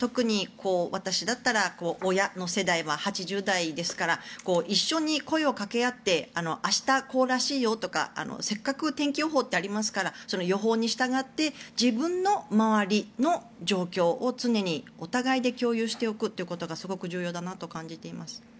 私だったら親の世代は８０代で一緒に声を掛け合って明日こうらしいよとかせっかく天気予報がありますからその予報に従って自分の周りの状況を常にお互いで共有していくことがすごく重要だなと感じています。